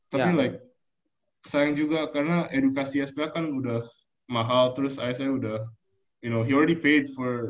tapi like sayang juga karena edukasi sph kan udah mahal terus ayah saya udah you know he already paid for